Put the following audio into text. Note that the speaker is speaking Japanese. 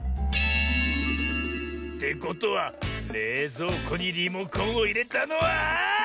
てことはれいぞうこにリモコンをいれたのは。